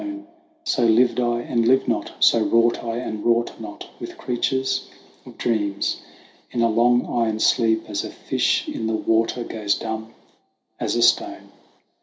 THE WANDERINGS OF OISIN 133 So lived I and lived not, so wrought I and wrought not, with creatures of dreams, In a long iron sleep, as a fish in the water goes dumb as a stone.